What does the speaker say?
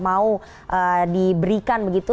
mau diberikan begitu